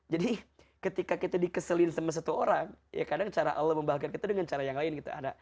jadi ketika kita dikeselin sama satu orang ya kadang cara allah membahagiakan kita dengan cara yang lain gitu